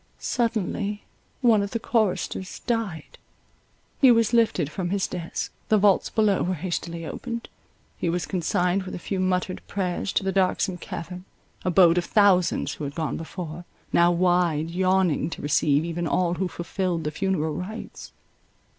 Suddenly one of the choristers died—he was lifted from his desk, the vaults below were hastily opened—he was consigned with a few muttered prayers to the darksome cavern, abode of thousands who had gone before—now wide yawning to receive even all who fulfilled the funeral rites.